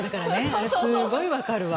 あれすっごい分かるわ。